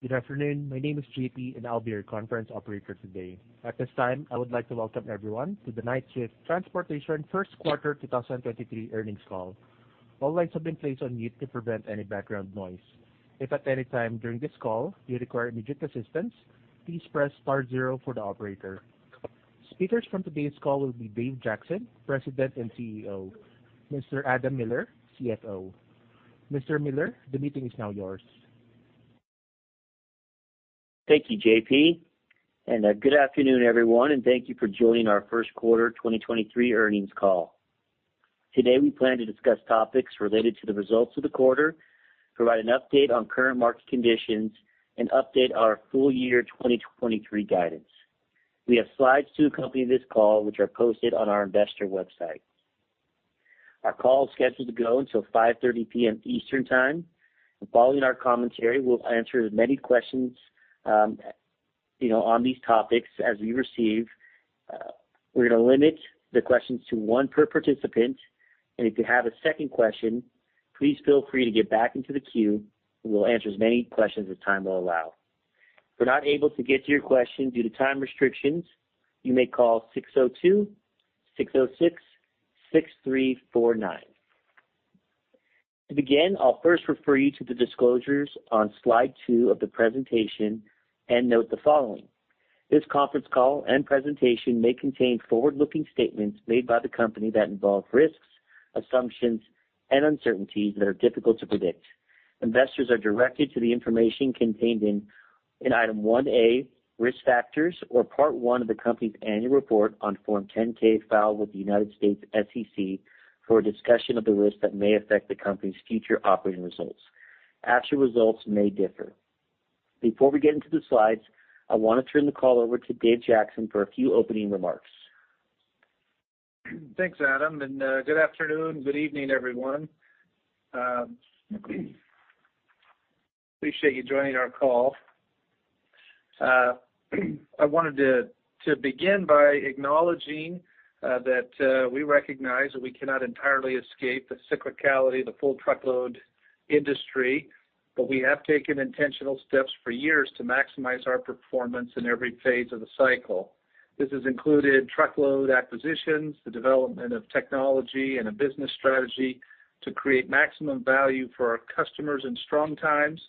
Good afternoon. My name is J.P., I'll be your conference operator today. At this time, I would like to welcome everyone to the Knight-Swift Transportation first quarter 2023 earnings call. All lines have been placed on mute to prevent any background noise. If at any time during this call you require immediate assistance, please press star zero for the operator. Speakers from today's call will be Dave Jackson, President and CEO, Mr. Adam Miller, CFO. Mr. Miller, the meeting is now yours. Thank you, J.P. Good afternoon, everyone, and thank you for joining our first quarter 2023 earnings call. Today, we plan to discuss topics related to the results of the quarter, provide an update on current market conditions, and update our full year 2023 guidance. We have slides to accompany this call, which are posted on our investor website. Our call is scheduled to go until 5:30 P.M. Eastern Time. Following our commentary, we'll answer as many questions, you know, on these topics as we receive. We're gonna limit the questions to one per participant, and if you have a second question, please feel free to get back into the queue, and we'll answer as many questions as time will allow. If we're not able to get to your question due to time restrictions, you may call 602-606-6349. To begin, I'll first refer you to the disclosures on slide two of the presentation and note the following. This conference call and presentation may contain forward-looking statements made by the company that involve risks, assumptions, and uncertainties that are difficult to predict. Investors are directed to the information contained in item 1A, Risk Factors or Part 1 of the company's annual report on Form 10-K filed with the U.S. SEC for a discussion of the risks that may affect the company's future operating results. Actual results may differ. Before we get into the slides, I want to turn the call over to Dave Jackson for a few opening remarks. Thanks, Adam, good afternoon, good evening, everyone. Appreciate you joining our call. I wanted to begin by acknowledging that we recognize that we cannot entirely escape the cyclicality of the full truckload industry. We have taken intentional steps for years to maximize our performance in every phase of the cycle. This has included truckload acquisitions, the development of technology and a business strategy to create maximum value for our customers in strong times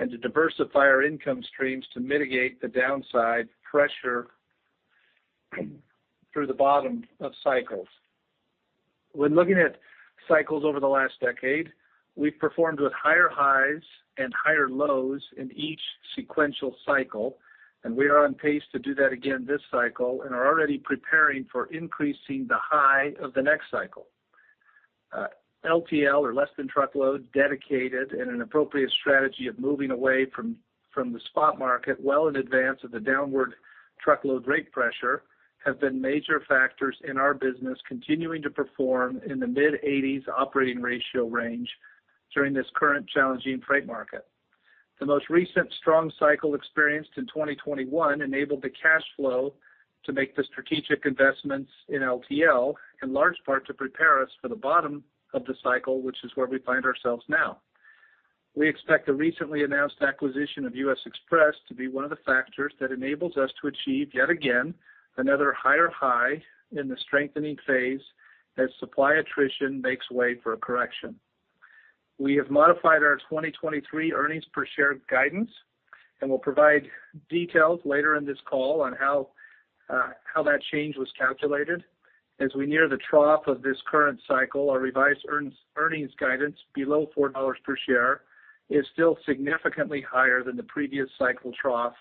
and to diversify our income streams to mitigate the downside pressure through the bottom of cycles. When looking at cycles over the last decade, we've performed with higher highs and higher lows in each sequential cycle. We are on pace to do that again this cycle and are already preparing for increasing the high of the next cycle. LTL, or Less-Than-truckload, dedicated in an appropriate strategy of moving away from the spot market well in advance of the downward truckload rate pressure, have been major factors in our business continuing to perform in the mid-80%s Operating ratio range during this current challenging freight market. The most recent strong cycle experienced in 2021 enabled the cash flow to make the strategic investments in LTL in large part to prepare us for the bottom of the cycle, which is where we find ourselves now. We expect the recently announced acquisition of U.S. Xpress to be one of the factors that enables us to achieve yet again another higher high in the strengthening phase as supply attrition makes way for a correction. We have modified our 2023 earnings per share guidance and will provide details later in this call on how that change was calculated. As we near the trough of this current cycle, our revised earnings guidance below $4 per share is still significantly higher than the previous cycle trough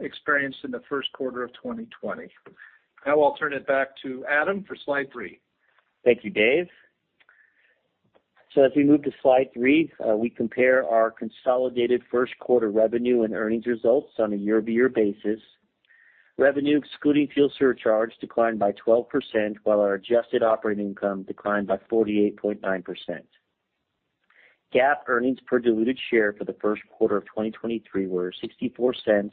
experienced in the first quarter of 2020. Now I'll turn it back to Adam for slide three. Thank you, Dave. As we move to slide three, we compare our consolidated first quarter revenue and earnings results on a year-over-year basis. Revenue excluding fuel surcharge declined by 12%, while our adjusted operating income declined by 48.9%. GAAP earnings per diluted share for the first quarter of 2023 were $0.64,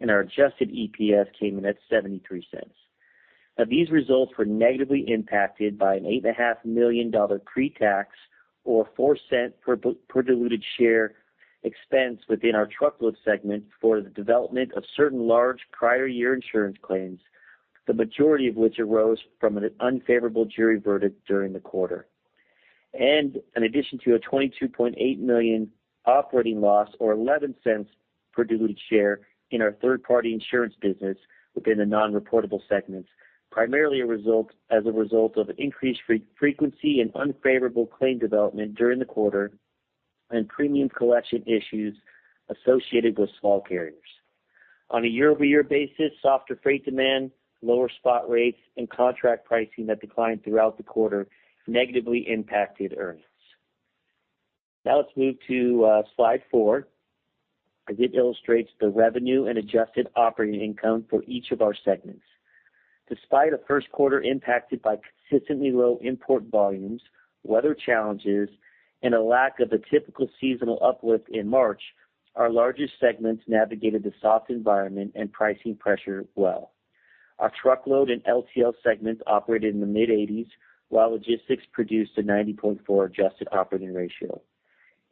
and our adjusted EPS came in at $0.73. These results were negatively impacted by an $8.5 million pre-tax or $0.04 per diluted share expense within our truckload segment for the development of certain large prior year insurance claims, the majority of which arose from an unfavorable jury verdict during the quarter. In addition to a $22.8 million operating loss or $0.11 per diluted share in our third-party insurance business within the non-reportable segments, primarily as a result of increased frequency and unfavorable claim development during the quarter and premium collection issues associated with small carriers. On a year-over-year basis, softer freight demand, lower spot rates, and contract pricing that declined throughout the quarter negatively impacted earnings. Let's move to slide four as it illustrates the revenue and adjusted operating income for each of our segments. Despite a first quarter impacted by consistently low import volumes, weather challenges, and a lack of a typical seasonal uplift in March, our largest segments navigated the soft environment and pricing pressure well. Our Truckload in LTL segments operated in the mid-80%s, while logistics produced a 90.4% adjusted operating ratio.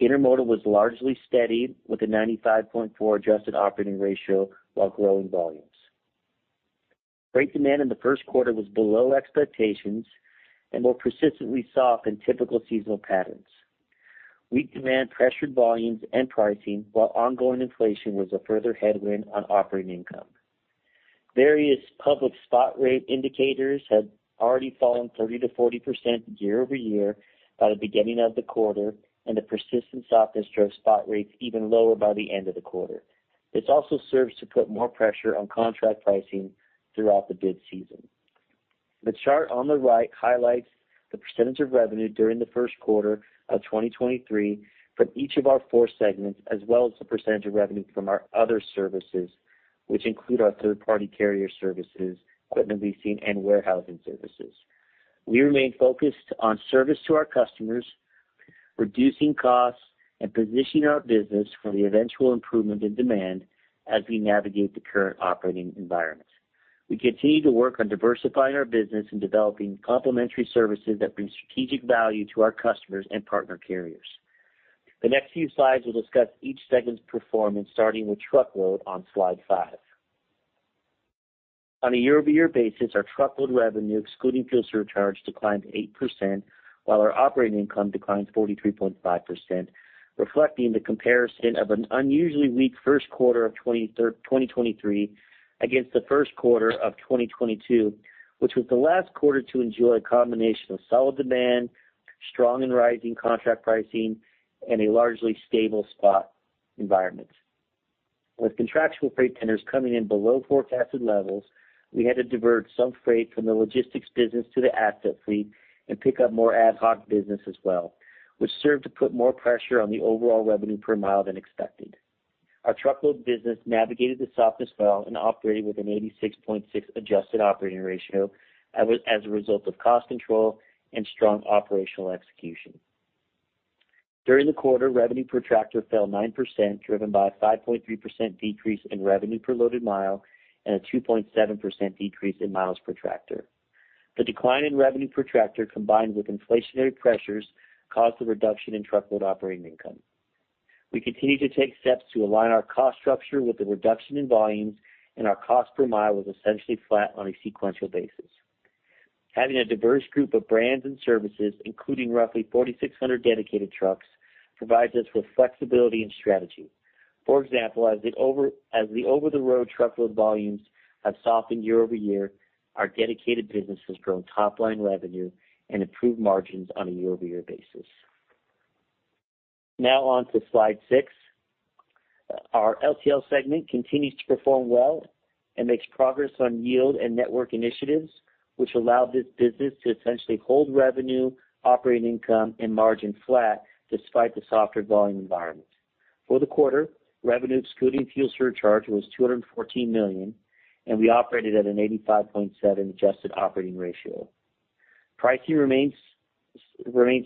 Intermodal was largely steady with a 95.4% adjusted operating ratio while growing volumes. Freight demand in the first quarter was below expectations and more persistently soft than typical seasonal patterns. Weak demand pressured volumes and pricing, while ongoing inflation was a further headwind on operating income. Various public spot rate indicators had already fallen 30%-40% year-over-year by the beginning of the quarter, the persistent softness drove spot rates even lower by the end of the quarter. This also serves to put more pressure on contract pricing throughout the bid season. The chart on the right highlights the % of revenue during the first quarter of 2023 from each of our four segments, as well as the % of revenue from our other services, which include our third-party carrier services, equipment leasing and warehousing services. We remain focused on service to our customers, reducing costs and positioning our business for the eventual improvement in demand as we navigate the current operating environment. We continue to work on diversifying our business and developing complementary services that bring strategic value to our customers and partner carriers. The next few slides will discuss each segment's performance, starting with truckload on slide five. On a year-over-year basis, our truckload revenue, excluding fuel surcharge, declined 8%, while our operating income declined 43.5%, reflecting the comparison of an unusually weak first quarter of 2023 against the first quarter of 2022, which was the last quarter to enjoy a combination of solid demand, strong and rising contract pricing, and a largely stable spot environment. With contractual freight tenders coming in below forecasted levels, we had to divert some freight from the logistics business to the asset fleet and pick up more ad hoc business as well, which served to put more pressure on the overall revenue per mile than expected. Our truckload business navigated the softness well and operated with an 86.6% adjusted operating ratio as a result of cost control and strong operational execution. During the quarter, revenue per tractor fell 9%, driven by a 5.3% decrease in revenue per loaded mile and a 2.7% decrease in miles per tractor. The decline in revenue per tractor, combined with inflationary pressures, caused the reduction in truckload operating income. We continue to take steps to align our cost structure with the reduction in volumes, and our cost per mile was essentially flat on a sequential basis. Having a diverse group of brands and services, including roughly 4,600 dedicated trucks, provides us with flexibility and strategy. For example, as the over-the-road truckload volumes have softened year-over-year, our dedicated business has grown top line revenue and improved margins on a year-over-year basis. On to slide six. Our LTL segment continues to perform well and makes progress on yield and network initiatives, which allow this business to essentially hold revenue, operating income and margin flat despite the softer volume environment. For the quarter, revenue excluding fuel surcharge was $214 million, and we operated at an 85.7% adjusted operating ratio. Pricing remains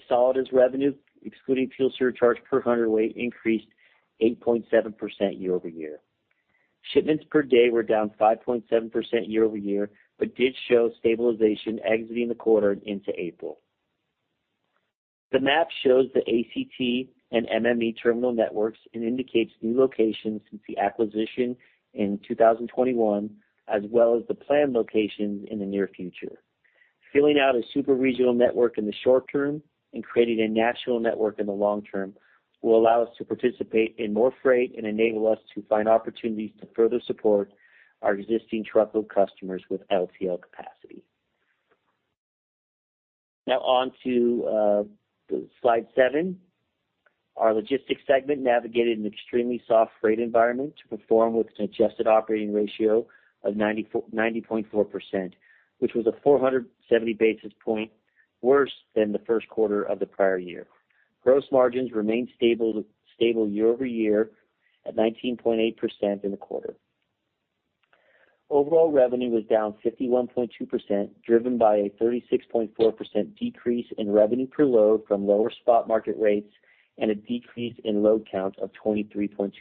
solid as revenue, excluding fuel surcharge per hundredweight increased 8.7% year-over-year. Shipments per day were down 5.7% year-over-year, but did show stabilization exiting the quarter into April. The map shows the ACT and MME terminal networks and indicates new locations since the acquisition in 2021, as well as the planned locations in the near future. Filling out a super-regional network in the short term and creating a national network in the long term will allow us to participate in more freight and enable us to find opportunities to further support our existing truckload customers with LTL capacity. Now on to slide seven. Our logistics segment navigated an extremely soft freight environment to perform with an adjusted operating ratio of 90.4%, which was a 470 basis point worse than the first quarter of the prior year. Gross margins remained stable year-over-year at 19.8% in the quarter. Overall revenue was down 51.2%, driven by a 36.4% decrease in revenue per load from lower spot market rates and a decrease in load counts of 23.2%.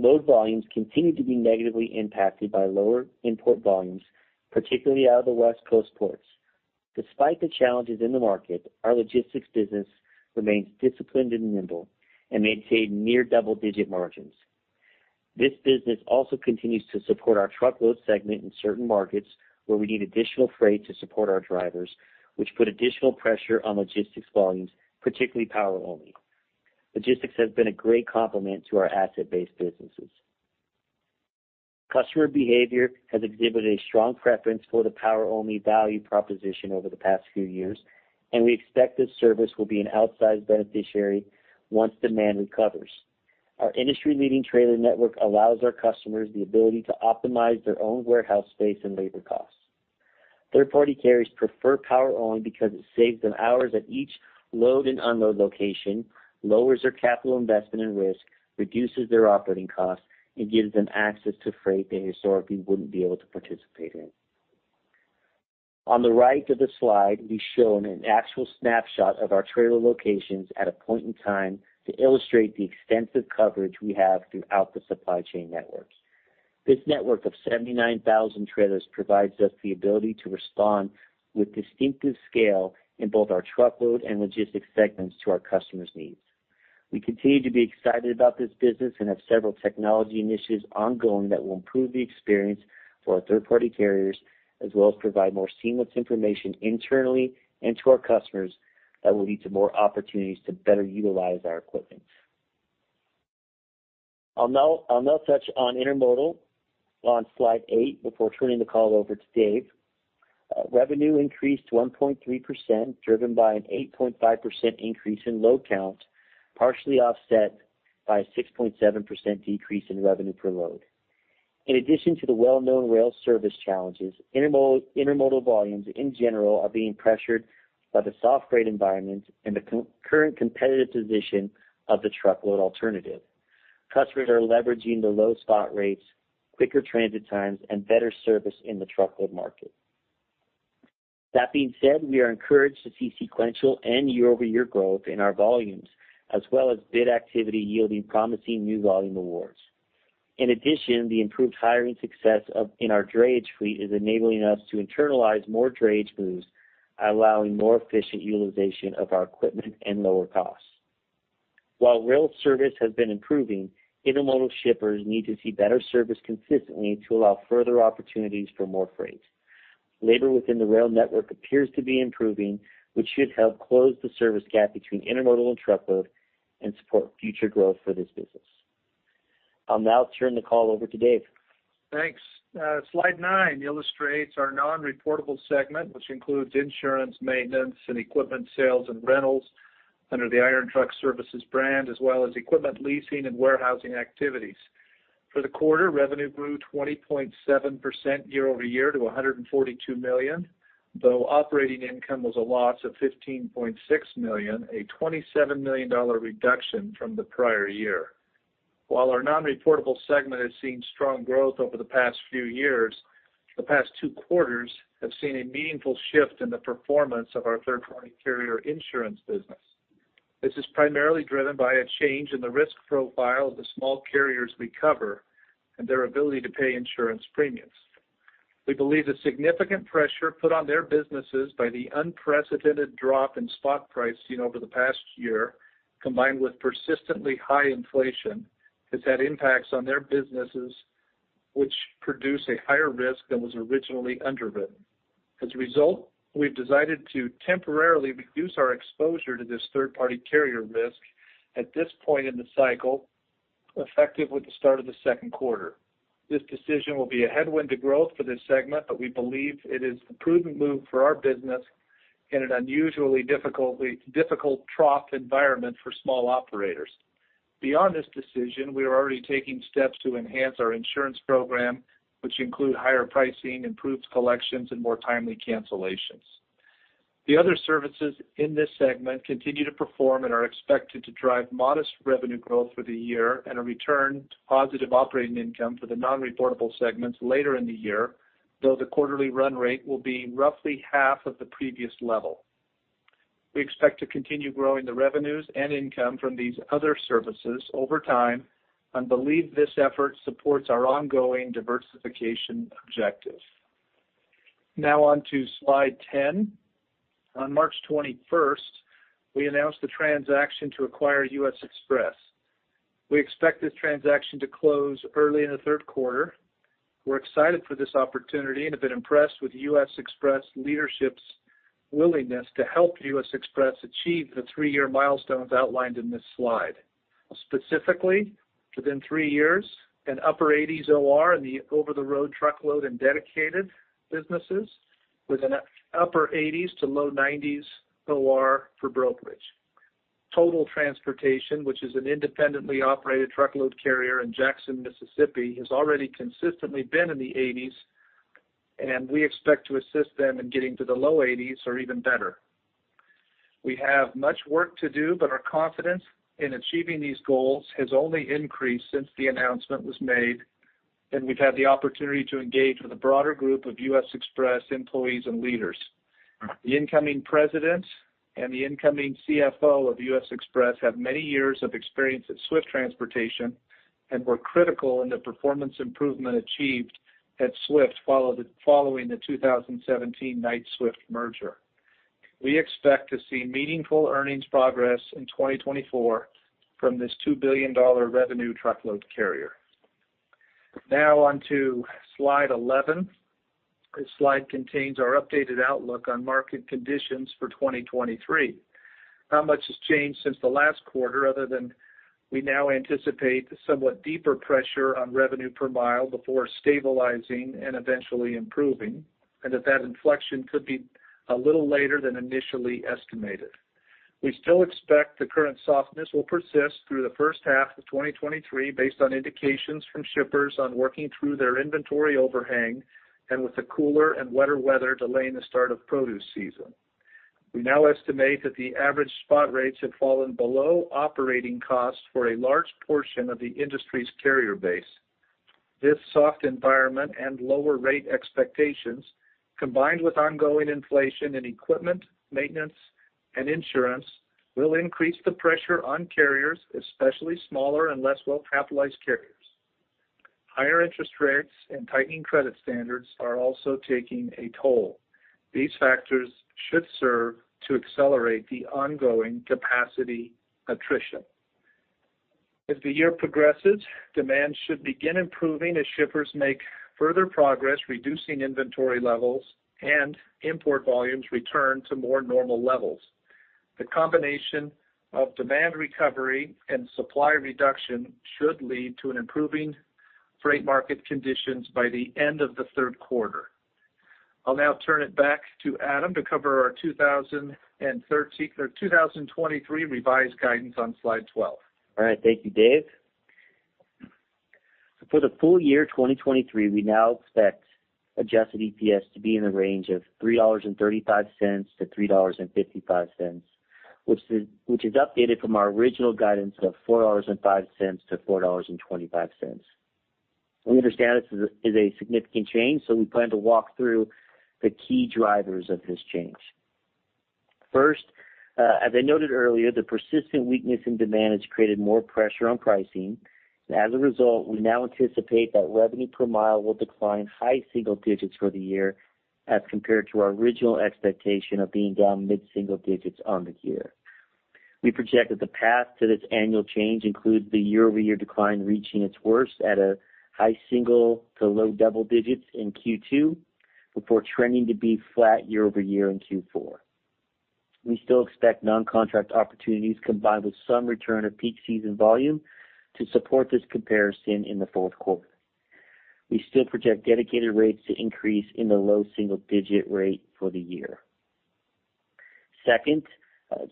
Load volumes continue to be negatively impacted by lower import volumes, particularly out of the West Coast ports. Despite the challenges in the market, our logistics business remains disciplined and nimble and maintained near double-digit margins. This business also continues to support our truckload segment in certain markets where we need additional freight to support our drivers, which put additional pressure on logistics volumes, particularly Power-only. Logistics has been a great complement to our asset-based businesses. Customer behavior has exhibited a strong preference for the Power-only value proposition over the past few years, and we expect this service will be an outsized beneficiary once demand recovers. Our industry-leading trailer network allows our customers the ability to optimize their own warehouse space and labor costs. Third-party carriers prefer Power-only because it saves them hours at each load and unload location, lowers their capital investment and risk, reduces their operating costs, and gives them access to freight they historically wouldn't be able to participate in. On the right of the slide, we show an actual snapshot of our trailer locations at a point in time to illustrate the extensive coverage we have throughout the supply chain networks. This network of 79,000 trailers provides us the ability to respond with distinctive scale in both our truckload and logistics segments to our customers' needs. We continue to be excited about this business and have several technology initiatives ongoing that will improve the experience for our third-party carriers, as well as provide more seamless information internally and to our customers that will lead to more opportunities to better utilize our equipment. I'll now touch on Intermodal on slide eight before turning the call over to Dave. Revenue increased 1.3%, driven by an 8.5% increase in load count, partially offset by a 6.7% decrease in revenue per load. In addition to the well-known rail service challenges, intermodal volumes in general are being pressured by the soft rate environment and the concurrent competitive position of the truckload alternative. Customers are leveraging the low spot rates, quicker transit times, and better service in the truckload market. That being said, we are encouraged to see sequential and year-over-year growth in our volumes, as well as bid activity yielding promising new volume awards. In addition, the improved hiring success in our drayage fleet is enabling us to internalize more drayage moves, allowing more efficient utilization of our equipment and lower costs. While rail service has been improving, intermodal shippers need to see better service consistently to allow further opportunities for more freight. Labor within the rail network appears to be improving, which should help close the service gap between intermodal and truckload and support future growth for this business. I'll now turn the call over to Dave. Thanks. Slide nine illustrates our non-reportable segment, which includes insurance, maintenance, and equipment sales and rentals under the Iron Truck Services brand, as well as equipment leasing and warehousing activities. For the quarter, revenue grew 20.7% year-over-year to $142 million, though operating income was a loss of $15.6 million, a $27 million reduction from the prior year. While our non-reportable segment has seen strong growth over the past few years, the past two quarters have seen a meaningful shift in the performance of our third-party carrier insurance business. This is primarily driven by a change in the risk profile of the small carriers we cover and their ability to pay insurance premiums. We believe the significant pressure put on their businesses by the unprecedented drop in spot pricing over the past year, combined with persistently high inflation, has had impacts on their businesses, which produce a higher risk than was originally underwritten. As a result, we've decided to temporarily reduce our exposure to this third-party carrier risk at this point in the cycle, effective with the start of the second quarter. This decision will be a headwind to growth for this segment, but we believe it is the prudent move for our business in an unusually difficult trough environment for small operators. Beyond this decision, we are already taking steps to enhance our insurance program, which include higher pricing, improved collections, and more timely cancellations. The other services in this segment continue to perform and are expected to drive modest revenue growth for the year and a return to positive operating income for the non-reportable segments later in the year, though the quarterly run rate will be roughly half of the previous level. We expect to continue growing the revenues and income from these other services over time and believe this effort supports our ongoing diversification objective. On to slide 10. On March 21st, we announced the transaction to acquire U.S. Xpress. We expect this transaction to close early in the third quarter. We're excited for this opportunity and have been impressed with U.S. Xpress leadership's willingness to help U.S. Xpress achieve the three-year milestones outlined in this slide. Specifically, within three years, an upper 80%s OR in the over-the-road truckload and dedicated businesses with an upper 80%s to low 90%s OR for brokerage. Total Transportation, which is an independently operated truckload carrier in Jackson, Mississippi, has already consistently been in the 80%s, and we expect to assist them in getting to the low 80%s or even better. We have much work to do, but our confidence in achieving these goals has only increased since the announcement was made, and we've had the opportunity to engage with a broader group of U.S. Xpress employees and leaders. The incoming President and the incoming CFO of U.S. Xpress have many years of experience at Swift Transportation and were critical in the performance improvement achieved at Swift following the 2017 Knight-Swift merger. We expect to see meaningful earnings progress in 2024 from this $2 billion revenue truckload carrier. On to slide 11. This slide contains our updated outlook on market conditions for 2023. Not much has changed since the last quarter other than we now anticipate a somewhat deeper pressure on revenue per mile before stabilizing and eventually improving, and that that inflection could be a little later than initially estimated. We still expect the current softness will persist through the first half of 2023 based on indications from shippers on working through their inventory overhang and with the cooler and wetter weather delaying the start of produce season. We now estimate that the average spot rates have fallen below operating costs for a large portion of the industry's carrier base. This soft environment and lower rate expectations, combined with ongoing inflation in equipment, maintenance, and insurance, will increase the pressure on carriers, especially smaller and less well-capitalized carriers. Higher interest rates and tightening credit standards are also taking a toll. These factors should serve to accelerate the ongoing capacity attrition. As the year progresses, demand should begin improving as shippers make further progress reducing inventory levels and import volumes return to more normal levels. The combination of demand recovery and supply reduction should lead to an improving freight market conditions by the end of the third quarter. I'll now turn it back to Adam to cover our 2023 revised guidance on slide 12. All right. Thank you, Dave. For the full year 2023, we now expect adjusted EPS to be in the range of $3.35-$3.55, which is updated from our original guidance of $4.05-$4.25. We understand this is a significant change, we plan to walk through the key drivers of this change. First, as I noted earlier, the persistent weakness in demand has created more pressure on pricing. As a result, we now anticipate that revenue per mile will decline high single digits for the year as compared to our original expectation of being down mid-single digits on the year. We project that the path to this annual change includes the year-over-year decline reaching its worst at a high single to low double-digits in Q2 before trending to be flat year-over-year in Q4. We still expect non-contract opportunities combined with some return of peak season volume to support this comparison in the fourth quarter. We still project dedicated rates to increase in the low single-digit rate for the year. Second,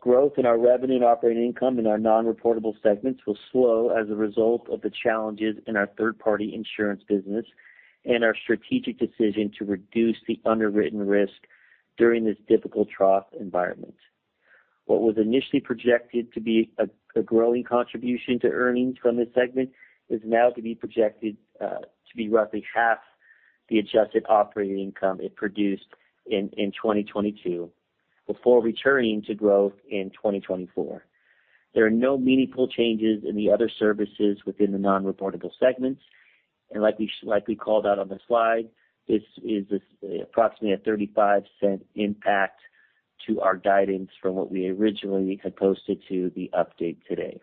growth in our revenue and operating income in our non-reportable segments will slow as a result of the challenges in our third-party insurance business and our strategic decision to reduce the underwritten risk during this difficult trough environment. What was initially projected to be a growing contribution to earnings from this segment is now to be projected to be roughly half the adjusted operating income it produced in 2022 before returning to growth in 2024. There are no meaningful changes in the other services within the non-reportable segments. Like we called out on the slide, this is approximately a $0.35 impact to our guidance from what we originally had posted to the update today.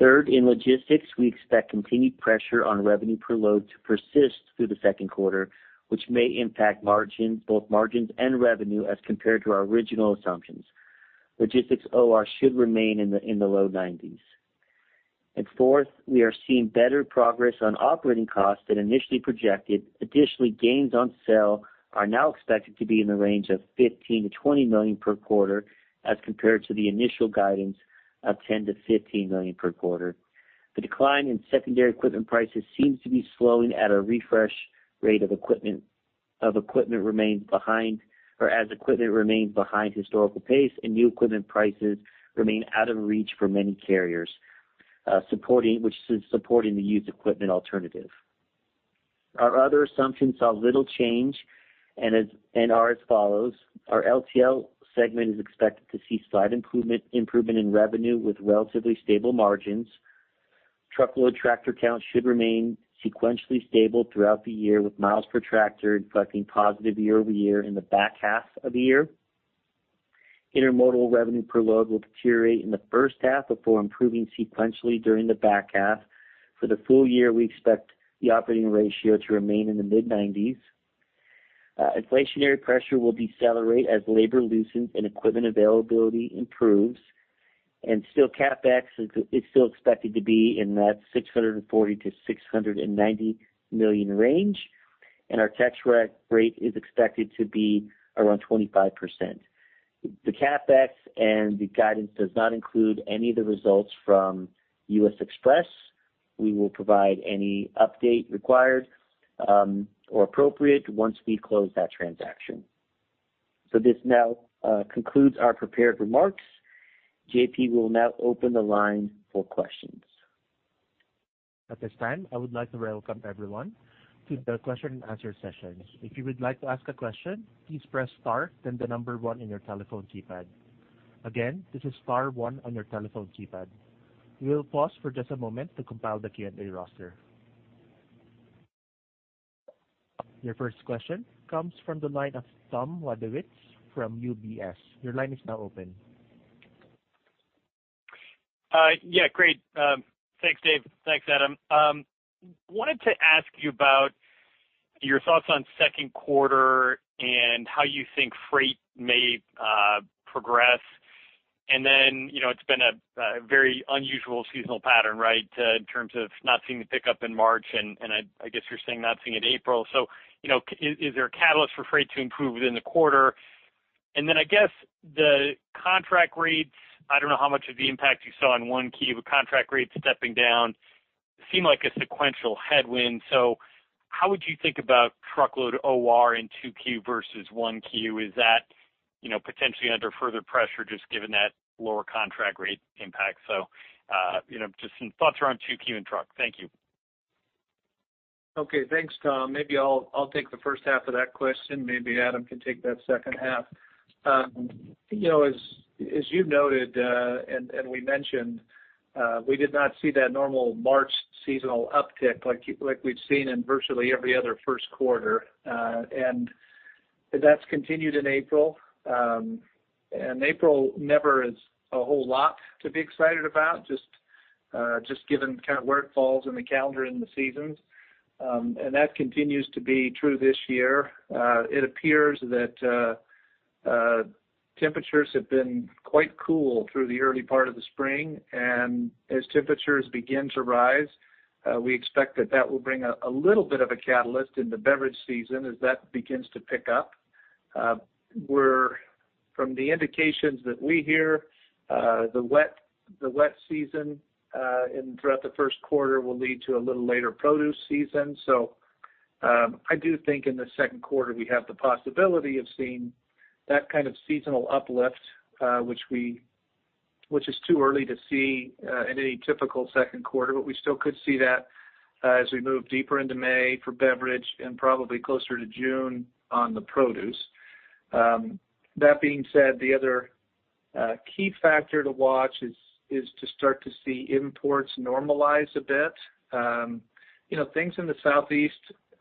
Third, in logistics, we expect continued pressure on revenue per load to persist through the second quarter, which may impact margins, both margins and revenue as compared to our original assumptions. Logistics OR should remain in the low 90%s. Fourth, we are seeing better progress on operating costs than initially projected. Gains on sale are now expected to be in the range of $15 million-$20 million per quarter as compared to the initial guidance of $10 million-$15 million per quarter. The decline in secondary equipment prices seems to be slowing as equipment remains behind historical pace and new equipment prices remain out of reach for many carriers, which is supporting the used equipment alternative. Our other assumptions saw little change and are as follows: Our LTL segment is expected to see slight improvement in revenue with relatively stable margins. Truckload tractor count should remain sequentially stable throughout the year, with miles per tractor reflecting positive year-over-year in the back half of the year. Intermodal revenue per load will deteriorate in the first half before improving sequentially during the back half. For the full year, we expect the operating ratio to remain in the mid 90%s. Inflationary pressure will decelerate as labor loosens and equipment availability improves, still CapEx is still expected to be in that $640 million-$690 million range, our tax rate is expected to be around 25%. The CapEx and the guidance does not include any of the results from U.S. Xpress. We will provide any update required or appropriate once we close that transaction. This now concludes our prepared remarks. J.P. will now open the line for questions. At this time, I would like to welcome everyone to the question-and answer- session. If you would like to ask a question, please press star then the number one in your telephone keypad. Again, this is star one on your telephone keypad. We will pause for just a moment to compile the Q&A roster. Your first question comes from the line of Tom Wadewitz from UBS. Your line is now open. Yeah, great. Thanks, Dave. Thanks, Adam. Wanted to ask you about your thoughts on second quarter and how you think freight may progress. You know, it's been a very unusual seasonal pattern, right? In terms of not seeing the pickup in March, and I guess you're saying not seeing it April. You know, is there a catalyst for freight to improve within the quarter? I guess the contract rates, I don't know how much of the impact you saw in 1Q, but contract rates stepping down seem like a sequential headwind. How would you think about truckload OR in 2Q versus 1Q? Is that, you know, potentially under further pressure just given that lower contract rate impact. You know, just some thoughts around 2Q and truck. Thank you. Okay, thanks, Tom. Maybe I'll take the first half of that question, maybe Adam can take that second half. You know, as you noted, and we mentioned, we did not see that normal March seasonal uptick like we've seen in virtually every other first quarter. That's continued in April. April never is a whole lot to be excited about, just given kind of where it falls in the calendar and the seasons. That continues to be true this year. It appears that temperatures have been quite cool through the early part of the spring. As temperatures begin to rise, we expect that that will bring a little bit of a catalyst in the beverage season as that begins to pick up. From the indications that we hear, the wet season and throughout the first quarter will lead to a little later produce season. I do think in the second quarter, we have the possibility of seeing that kind of seasonal uplift, which is too early to see in any typical second quarter. We still could see that as we move deeper into May for beverage, and probably closer to June on the produce. That being said, the other key factor to watch is to start to see imports normalize a bit. You know, things in the southeast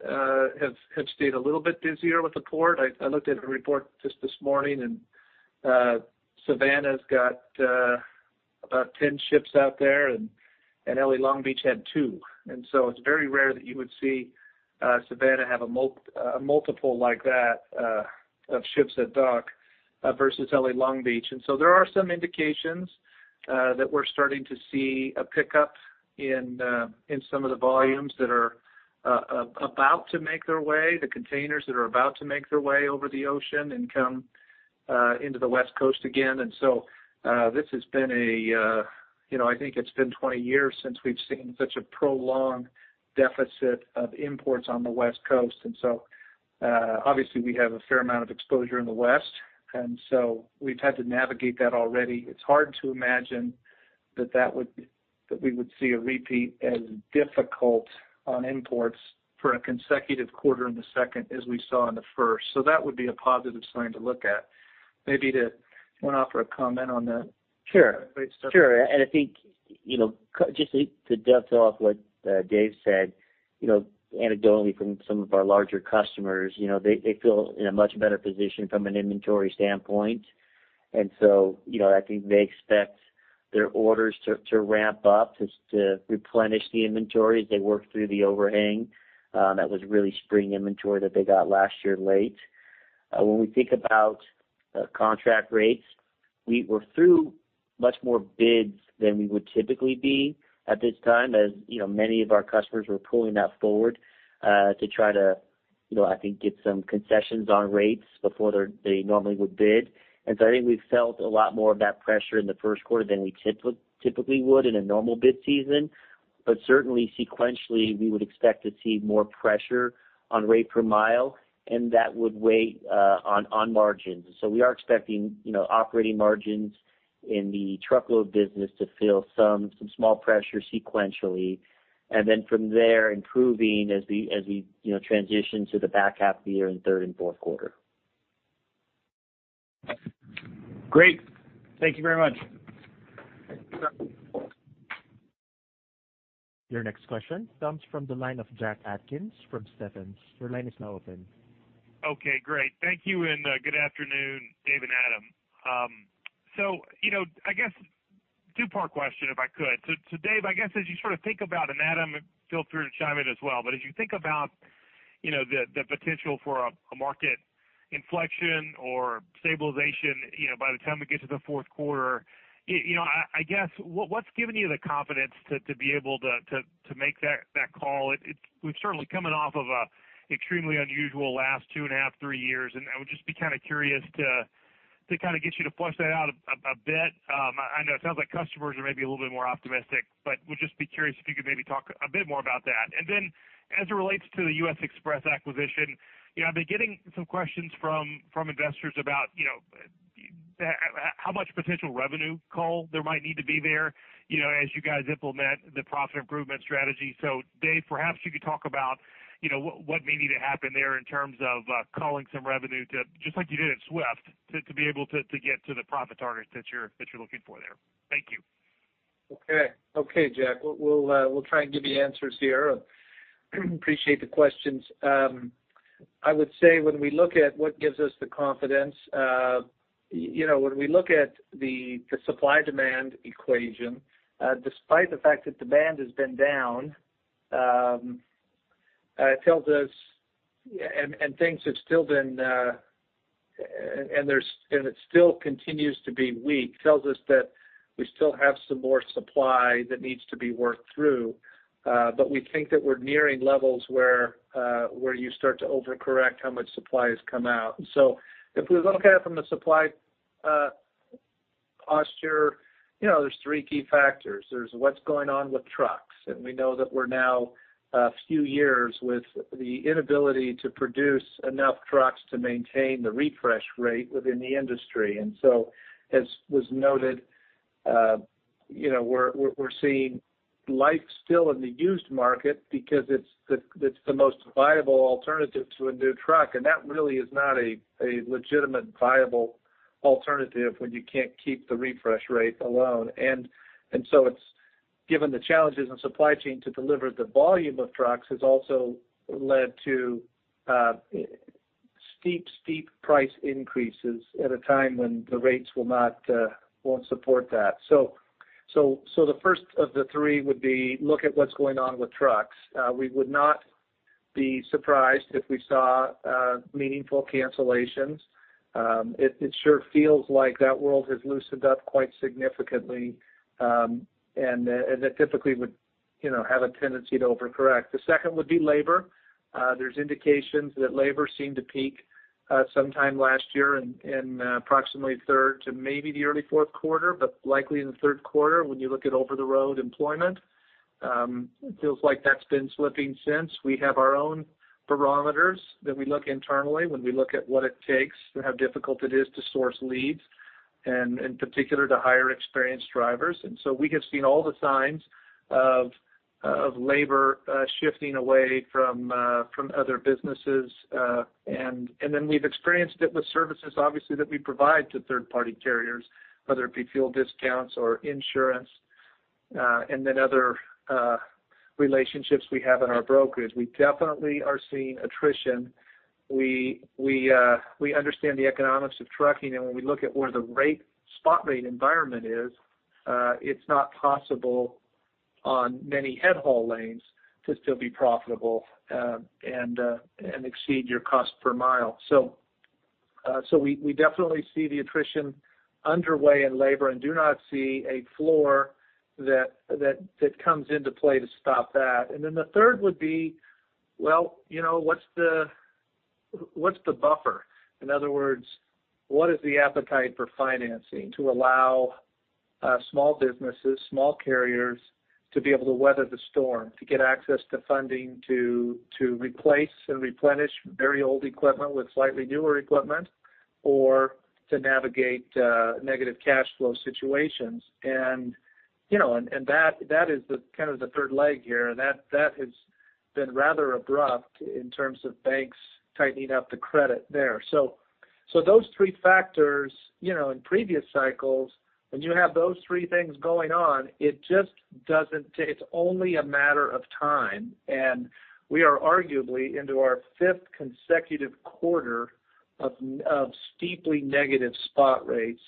have stayed a little bit busier with the port. I looked at a report just this morning and Savannah's got about 10 ships out there, and L.A. Long Beach had two. It's very rare that you would see Savannah have a multiple like that of ships at dock versus L.A. Long Beach. There are some indications that we're starting to see a pickup in some of the volumes that are about to make their way, the containers that are about to make their way over the ocean and come into the West Coast again. This has been a, you know, I think it's been 20 years since we've seen such a prolonged deficit of imports on the West Coast. Obviously, we have a fair amount of exposure in the West, and so we've had to navigate that already. It's hard to imagine that we would see a repeat as difficult on imports for a consecutive quarter in the second as we saw in the first. That would be a positive sign to look at. Maybe want to offer a comment on that? Sure. Sure. I think, you know, just to dovetail off what Dave said, you know, anecdotally from some of our larger customers, you know, they feel in a much better position from an inventory standpoint. You know, I think they expect their orders to ramp up just to replenish the inventory as they work through the overhang that was really spring inventory that they got last year late. When we think about contract rates, we were through much more bids than we would typically be at this time, as, you know, many of our customers were pulling that forward to try to, you know, I think, get some concessions on rates before they normally would bid. I think we've felt a lot more of that pressure in the first quarter than we typically would in a normal bid season. Certainly sequentially, we would expect to see more pressure on rate per mile, and that would weigh on margins. We are expecting, you know, operating margins in the truckload business to feel some small pressure sequentially. From there, improving as we, you know, transition to the back half of the year in third and fourth quarter. Great. Thank you very much. Thanks. Your next question comes from the line of Jack Atkins from Stephens. Your line is now open. Okay, great. Thank you. Good afternoon, Dave and Adam. You know, I guess two-part question, if I could. Dave, I guess as you sort of think about, and Adam feel free to chime in as well. As you think about, you know, the potential for a market inflection or stabilization, you know, by the time we get to the fourth quarter, you know, I guess what's given you the confidence to be able to make that call? We've certainly coming off of a extremely unusual last two and a half, three years. I would just be kind of curious to kind of get you to flesh that out a bit. I know it sounds like customers are maybe a little bit more optimistic, but would just be curious if you could maybe talk a bit more about that. As it relates to the U.S. Xpress acquisition, you know, I've been getting some questions from investors about, you know, how much potential revenue call there might need to be there, you know, as you guys implement the profit improvement strategy. Dave, perhaps you could talk about, you know, what may need to happen there in terms of calling some revenue just like you did at Swift, to be able to get to the profit targets that you're looking for there. Thank you. Okay, Jack. We'll try and give you answers here. Appreciate the questions. I would say when we look at what gives us the confidence, you know, when we look at the supply-demand equation, despite the fact that demand has been down, it tells us. Things have still been, and it still continues to be weak, tells us that we still have some more supply that needs to be worked through. We think that we're nearing levels where you start to overcorrect how much supply has come out. If we look at it from the supply, You know, there's three key factors. There's what's going on with trucks. We know that we're now a few years with the inability to produce enough trucks to maintain the refresh rate within the industry. As was noted, we're seeing life still in the used market because it's the most viable alternative to a new truck. That really is not a legitimate, viable alternative when you can't keep the refresh rate alone. Given the challenges in supply chain to deliver the volume of trucks has also led to steep price increases at a time when the rates won't support that. The first of the three would be look at what's going on with trucks. We would not be surprised if we saw meaningful cancellations. It sure feels like that world has loosened up quite significantly, and that typically would, you know, have a tendency to over-correct. The second would be labor. There's indications that labor seemed to peak sometime last year in approximately third to maybe the early fourth quarter, but likely in the third quarter when you look at over-the-road employment. It feels like that's been slipping since. We have our own barometers that we look internally when we look at what it takes and how difficult it is to source leads and, in particular, to hire experienced drivers. We have seen all the signs of labor shifting away from other businesses. Then we've experienced it with services, obviously, that we provide to third-party carriers, whether it be fuel discounts or insurance, and then other relationships we have in our brokerage. We definitely are seeing attrition. We understand the economics of trucking, and when we look at where the rate, spot rate environment is, it's not possible on many head haul lanes to still be profitable, and exceed your cost per mile. We definitely see the attrition underway in labor and do not see a floor that comes into play to stop that. Then the third would be, well, you know, what's the buffer? In other words, what is the appetite for financing to allow small businesses, small carriers, to be able to weather the storm, to get access to funding to replace and replenish very old equipment with slightly newer equipment or to navigate negative cash flow situations? You know, that is the kind of the third leg here, and that has been rather abrupt in terms of banks tightening up the credit there. So those three factors, you know, in previous cycles, when you have those three things going on, it just doesn't take. It's only a matter of time. We are arguably into our fifth consecutive quarter of steeply negative spot rates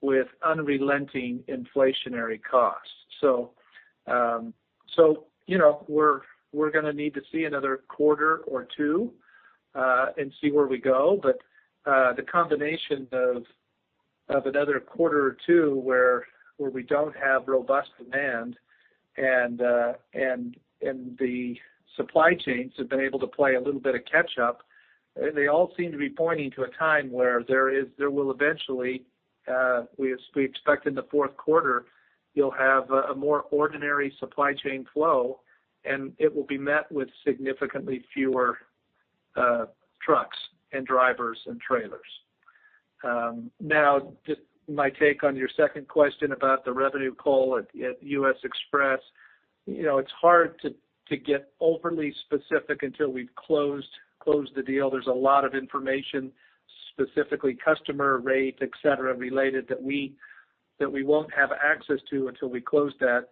with unrelenting inflationary costs. You know, we're gonna need to see another quarter or two and see where we go. The combination of another quarter or two where we don't have robust demand and the supply chains have been able to play a little bit of catch up, they all seem to be pointing to a time where there will eventually, we expect in the fourth quarter you'll have a more ordinary supply chain flow, and it will be met with significantly fewer trucks and drivers and trailers. Now just my take on your second question about the revenue call at U.S. Xpress. You know, it's hard to get overly specific until we've closed the deal. There's a lot of information, specifically customer rate, et cetera, related that we won't have access to until we close that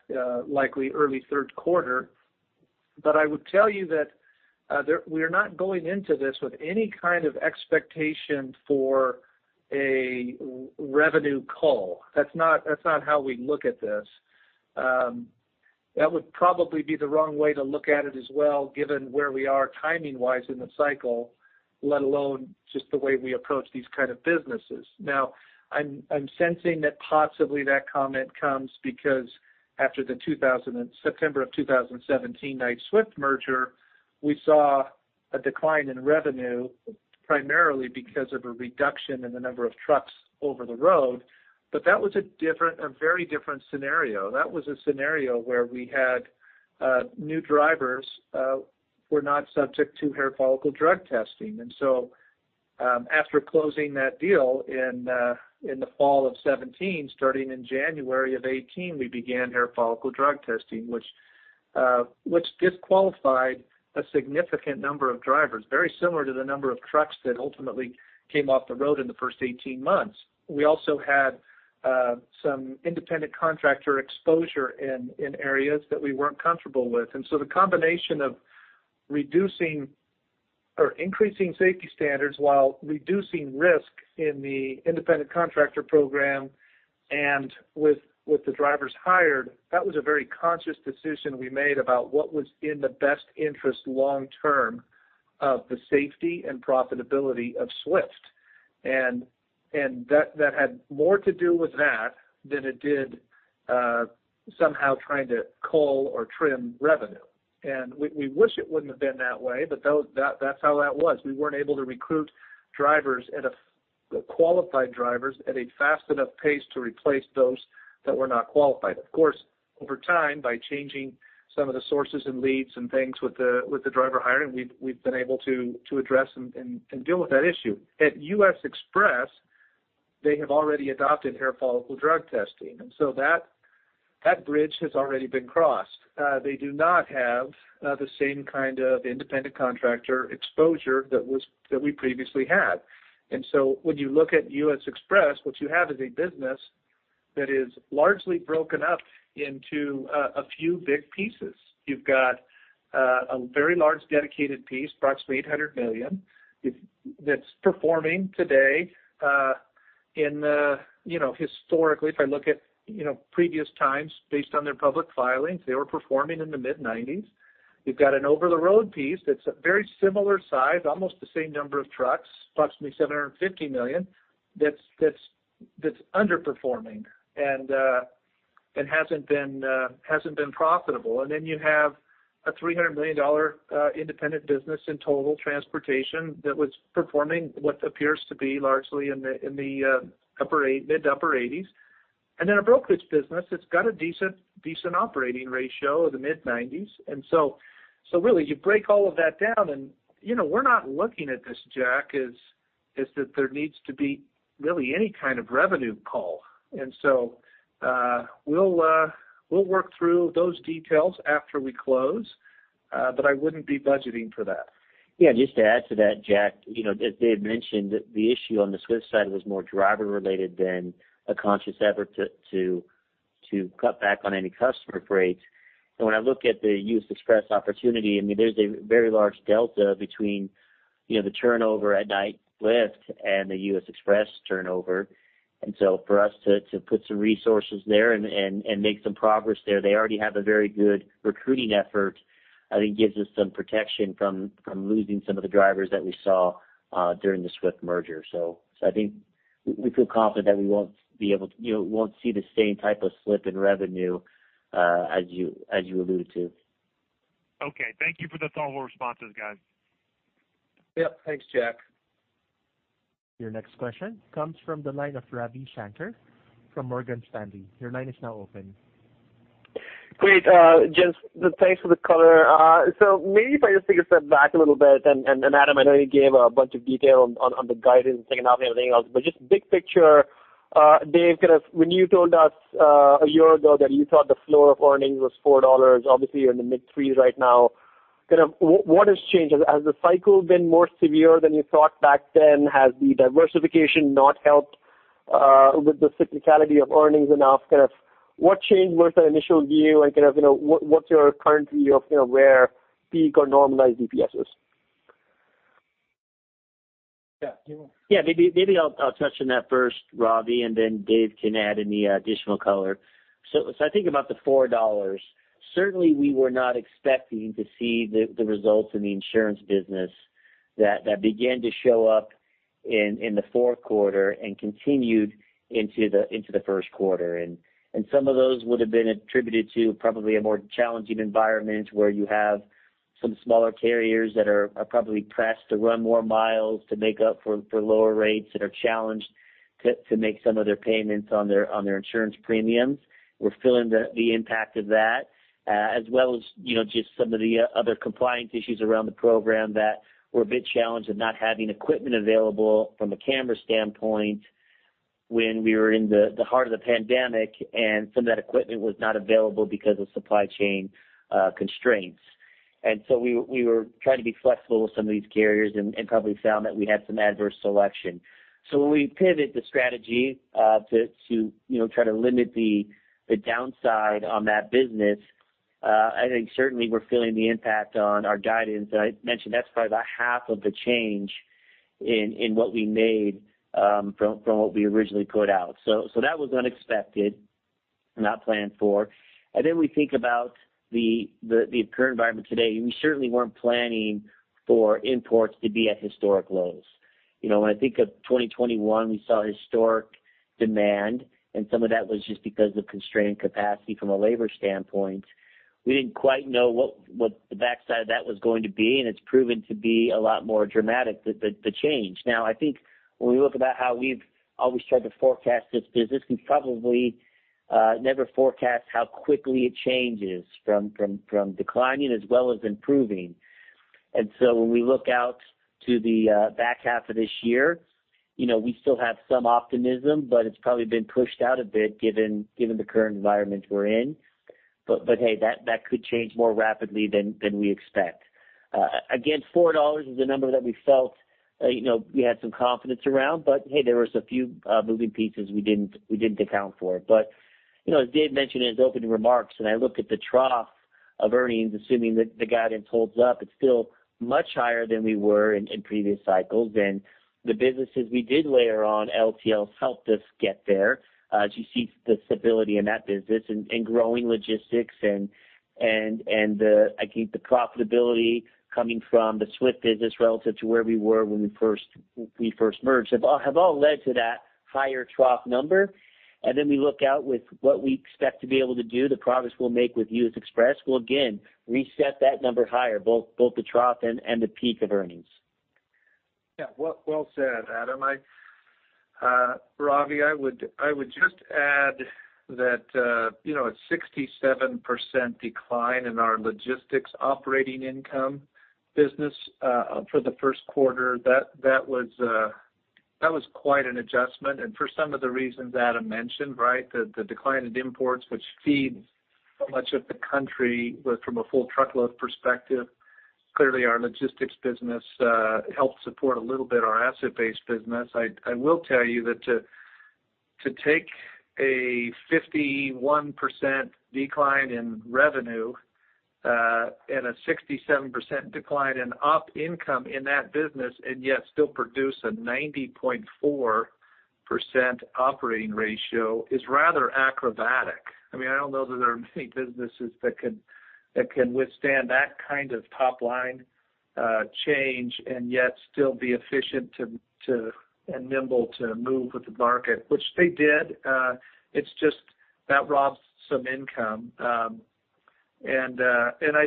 likely early third quarter. I would tell you that we are not going into this with any kind of expectation for a revenue call. That's not how we look at this. That would probably be the wrong way to look at it as well, given where we are timing-wise in the cycle, let alone just the way we approach these kind of businesses. I'm sensing that possibly that comment comes because after the September of 2017 Knight-Swift merger, we saw a decline in revenue primarily because of a reduction in the number of trucks over the road, but that was a different, a very different scenario. That was a scenario where we had new drivers, were not subject to hair follicle drug testing. After closing that deal in the fall of 2017, starting in January of 2018, we began hair follicle drug testing, which disqualified a significant number of drivers, very similar to the number of trucks that ultimately came off the road in the first 18 months. We also had some independent contractor exposure in areas that we weren't comfortable with. The combination of reducing or increasing safety standards while reducing risk in the independent contractor program and with the drivers hired, that was a very conscious decision we made about what was in the best interest long term of the safety and profitability of Swift. That had more to do with that than it did somehow trying to cull or trim revenue. We wish it wouldn't have been that way, but that's how that was. We weren't able to recruit qualified drivers at a fast enough pace to replace those that were not qualified. Of course, over time, by changing some of the sources and leads and things with the driver hiring, we've been able to address and deal with that issue. At U.S. Xpress, they have already adopted hair follicle drug testing, that bridge has already been crossed. They do not have the same kind of independent contractor exposure that we previously had. When you look at U.S. Xpress, what you have is a business that is largely broken up into a few big pieces. You've got a very large dedicated piece, approximately $800 million, that's performing today, you know, historically, if I look at, you know, previous times, based on their public filings, they were performing in the mid-90%s. We've got an over-the-road piece that's a very similar size, almost the same number of trucks, approximately $750 million, that's underperforming and hasn't been profitable. You have a $300 million independent business in Total Transportation that was performing what appears to be largely in the mid- to upper 80%s. A brokerage business that's got a decent operating ratio of the mid-90%s. really, you break all of that down and, you know, we're not looking at this, Jack, as that there needs to be really any kind of revenue pull. We'll work through those details after we close, but I wouldn't be budgeting for that. Yeah, just to add to that, Jack, you know, as Dave mentioned, the issue on the Swift side was more driver related than a conscious effort to cut back on any customer rates. When I look at the U.S. Xpress opportunity, I mean, there's a very large delta between, you know, the turnover at Knight-Swift and the U.S. Xpress turnover. For us to put some resources there and make some progress there, they already have a very good recruiting effort, I think gives us some protection from losing some of the drivers that we saw during the Swift merger. So I think we feel confident that we won't be able to, you know, won't see the same type of slip in revenue as you allude to. Okay. Thank you for the thoughtful responses, guys. Yep. Thanks, Jack. Your next question comes from the line of Ravi Shanker from Morgan Stanley. Your line is now open. Great. Gents, thanks for the color. Maybe if I just take a step back a little bit, and Adam, I know you gave a bunch of detail on the guidance and second half and everything else, but just big picture, Dave, kind of when you told us a year ago that you thought the floor of earnings was $4, obviously you're in the mid-$3s right now, kind of what has changed? Has the cycle been more severe than you thought back then? Has the diversification not helped with the cyclicality of earnings enough? Kind of what changed with that initial view and kind of, you know, what's your current view of, you know, where peak or normalized EPS is? Yeah. Yeah. Maybe I'll touch on that first, Ravi, then Dave can add any additional color. I think about the $4. Certainly, we were not expecting to see the results in the insurance business that began to show up in the fourth quarter and continued into the first quarter end. Some of those would have been attributed to probably a more challenging environment where you have some smaller carriers that are probably pressed to run more miles to make up for lower rates that are challenged to make some of their payments on their insurance premiums. We're feeling the impact of that, as well as, you know, just some of the other compliance issues around the program that were a bit challenged with not having equipment available from a camera standpoint when we were in the heart of the pandemic, and some of that equipment was not available because of supply chain constraints. We were trying to be flexible with some of these carriers and probably found that we had some adverse selection. When we pivot the strategy, to, you know, try to limit the downside on that business, I think certainly we're feeling the impact on our guidance. I mentioned that's probably about half of the change in what we made from what we originally put out. That was unexpected, not planned for. Then we think about the current environment today. We certainly weren't planning for imports to be at historic lows. You know, when I think of 2021, we saw historic demand, and some of that was just because of constrained capacity from a labor standpoint. We didn't quite know what the backside of that was going to be, and it's proven to be a lot more dramatic, the change. I think when we look about how we've always tried to forecast this business, we probably never forecast how quickly it changes from declining as well as improving. So when we look out to the back half of this year, you know, we still have some optimism, but it's probably been pushed out a bit given the current environment we're in. Hey, that could change more rapidly than we expect. Again, $4 is a number that we felt, you know, we had some confidence around. Hey, there was a few moving pieces we didn't account for. You know, as Dave mentioned in his opening remarks, and I look at the trough of earnings, assuming that the guidance holds up, it's still much higher than we were in previous cycles. The businesses we did layer on LTL helped us get there. As you see the stability in that business and growing logistics and I think the profitability coming from the Swift business relative to where we were when we first merged, have all led to that higher trough number. We look out with what we expect to be able to do, the progress we'll make with U.S. Xpress will again reset that number higher, both the trough and the peak of earnings. Yeah. Well, well said, Adam. I, Ravi, I would just add that, you know, a 67% decline in our logistics operating income business, for the first quarter, that was quite an adjustment. For some of the reasons Adam mentioned, right? The decline in imports which feeds so much of the country with from a full truckload perspective. Clearly our logistics business, helps support a little bit our asset-based business. I will tell you that to take a 51% decline in revenue, and a 67% decline in op income in that business and yet still produce a 90.4% Operating ratio is rather acrobatic. I mean, I don't know that there are many businesses that can withstand that kind of top line change and yet still be efficient and nimble to move with the market, which they did. It's just that robs some income. I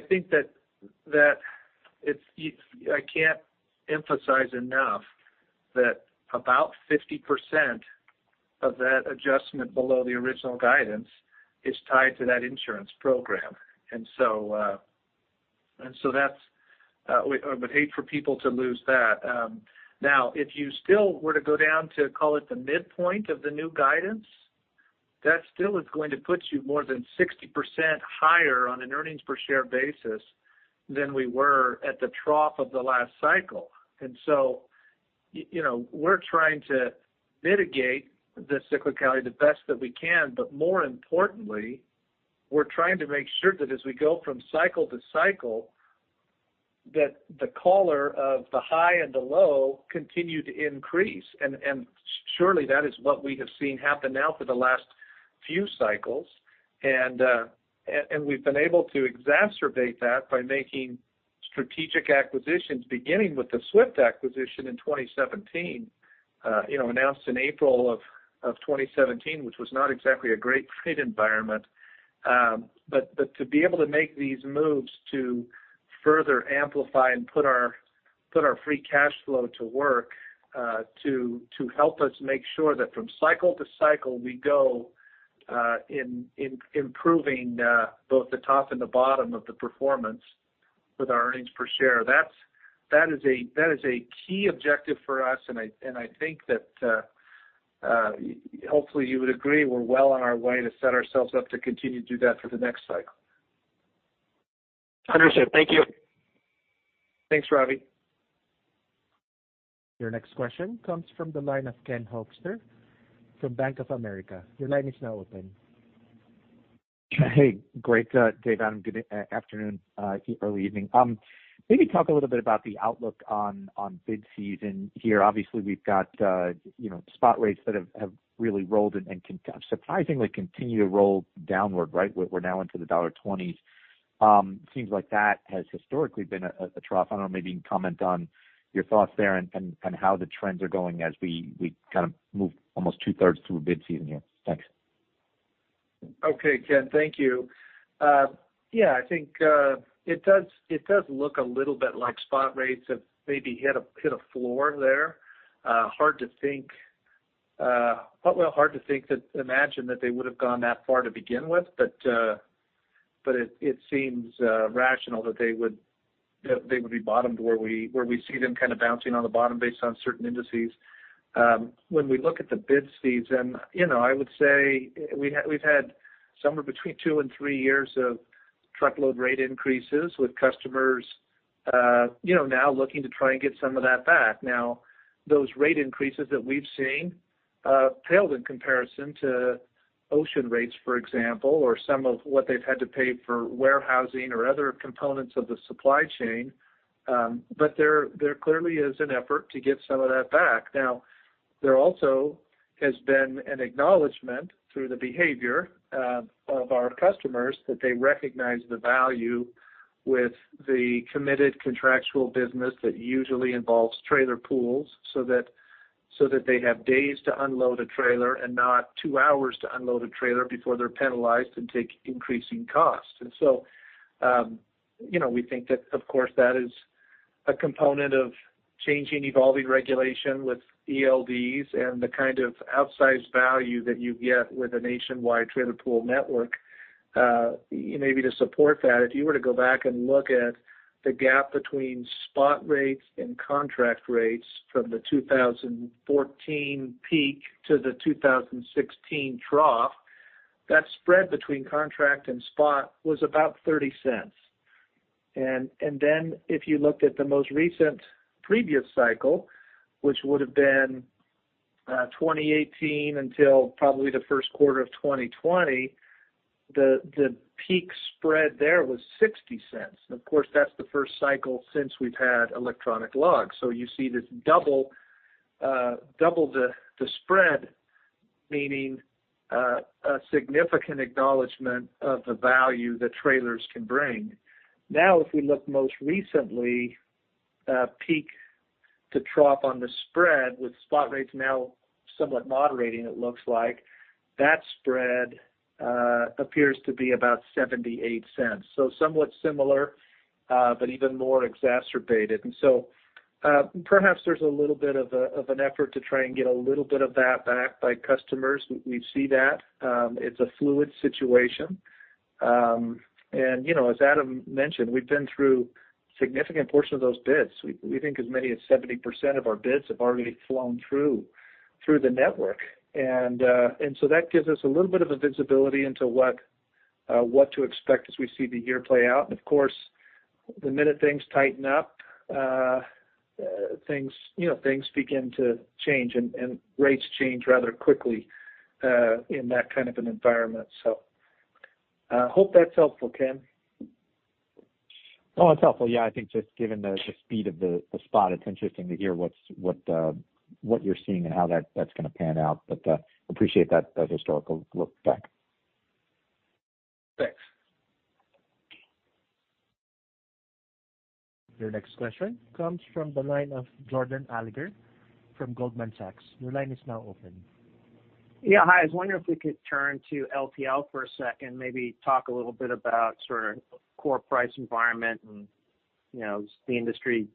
think that it's I can't emphasize enough that about 50% of that adjustment below the original guidance is tied to that insurance program. That's I would hate for people to lose that. Now, if you still were to go down to call it the midpoint of the new guidance, that still is going to put you more than 60% higher on an earnings per share basis than we were at the trough of the last cycle. You know, we're trying to mitigate the cyclicality the best that we can, but more importantly, we're trying to make sure that as we go from cycle to cycle, that the caller of the high and the low continue to increase. Surely that is what we have seen happen now for the last few cycles. We've been able to exacerbate that by making strategic acquisitions, beginning with the Swift acquisition in 2017, you know, announced in April of 2017, which was not exactly a great freight environment. To be able to make these moves to further amplify and put our free cash flow to work, to help us make sure that from cycle to cycle we go in improving both the top and the bottom of the performance with our earnings per share. That is a key objective for us, and I think that hopefully you would agree we're well on our way to set ourselves up to continue to do that for the next cycle. Understood. Thank you. Thanks, Ravi. Your next question comes from the line of Ken Hoexter from Bank of America. Your line is now open. Hey. Great, Dave, Adam, good afternoon, early evening. Maybe talk a little bit about the outlook on bid season here. Obviously, we've got, you know, spot rates that have really rolled and surprisingly continue to roll downward, right? We're now into the $20s. Seems like that has historically been a trough. I don't know, maybe you can comment on your thoughts there and how the trends are going as we kind of move almost 2/3 through a bid season here. Thanks. Okay, Ken. Thank you. Yeah, I think it does look a little bit like spot rates have maybe hit a floor there. Hard to think well, hard to think that, imagine that they would have gone that far to begin with, but it seems rational that they would, that they would be bottomed where we see them kind of bouncing on the bottom based on certain indices. When we look at the bid season, you know, I would say we've had somewhere between two and three years of truckload rate increases with customers, you know, now looking to try and get some of that back. Those rate increases that we've seen paled in comparison to ocean rates, for example, or some of what they've had to pay for warehousing or other components of the supply chain. There clearly is an effort to get some of that back. There also has been an acknowledgment through the behavior of our customers that they recognize the value with the committed contractual business that usually involves trailer pools so that they have days to unload a trailer and not two hours to unload a trailer before they're penalized and take increasing costs. You know, we think that of course that is a component of changing evolving regulation with ELDs and the kind of outsized value that you get with a nationwide trailer pool network. Maybe to support that, if you were to go back and look at the gap between spot rates and contract rates from the 2014 peak to the 2016 trough, that spread between contract and spot was about $0.30. Then if you looked at the most recent previous cycle, which would have been, 2018 until probably the 1st quarter of 2020, the peak spread there was $0.60. Of course, that's the first cycle since we've had electronic logs. You see this double the spread, meaning, a significant acknowledgment of the value that trailers can bring. If we look most recently, peak to trough on the spread with spot rates now somewhat moderating, it looks like. That spread appears to be about $0.78. Somewhat similar, but even more exacerbated. Perhaps there's a little bit of an effort to try and get a little bit of that back by customers. We see that. It's a fluid situation. You know, as Adam mentioned, we've been through significant portion of those bids. We think as many as 70% of our bids have already flown through the network. That gives us a little bit of visibility into what to expect as we see the year play out. Of course, the minute things tighten up, things, you know, things begin to change and rates change rather quickly in that kind of an environment. Hope that's helpful, Ken. It's helpful. Yeah. I think just given the speed of the spot, it's interesting to hear what you're seeing and how that's gonna pan out. Appreciate that historical look back. Thanks. Your next question comes from the line of Jordan Alliger from Goldman Sachs. Your line is now open. Yeah. Hi. I was wondering if we could turn to LTL for a second, maybe talk a little bit about sort of core price environment and, you know, the industry,